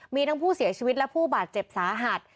มีทั้งผู้เสียชีวิตและผู้บาดเจ็บสาหัส